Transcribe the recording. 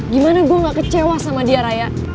gimana gue gak kecewa sama dia raya